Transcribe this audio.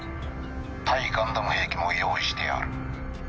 対ガンダム兵器も用意してある。